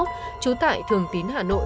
trú tại thường tín hà nội